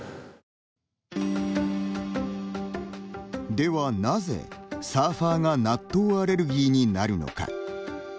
ではなぜ、サーファーが納豆アレルギーになるのか。